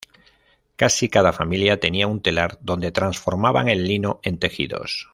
Casi cada familia tenía un telar donde transformaban el lino en tejidos.